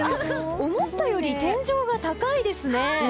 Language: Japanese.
思ったより天井が高いですね。